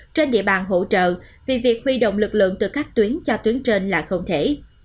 trên địa bàn hỗ trợ vì việc huy động lực lượng từ các tuyến cho tuyến trên là không thể